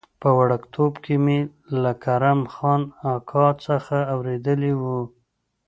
په وړکتوب کې مې له کرم خان اکا څخه اورېدلي و.